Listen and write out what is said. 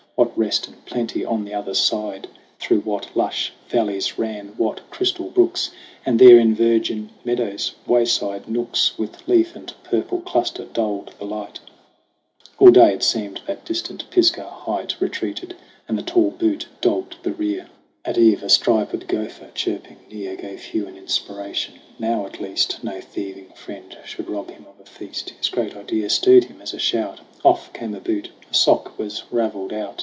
What rest and plenty on the other side ! Through what lush valleys ran what crystal brooks ! And there in virgin meadows wayside nooks With leaf and purple cluster dulled the light ! All day it seemed that distant Pisgah Height Retreated, and the tall butte dogged the rear. THE CRAWL 55 At eve a striped gopher chirping near Gave Hugh an inspiration. Now, at least, No thieving friend should rob him of a feast. His great idea stirred him as a shout. Off came a boot, a sock was ravelled out.